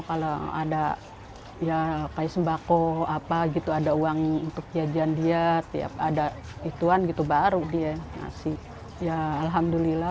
kalau alat sekolah dia akan diundang ke rumah sarono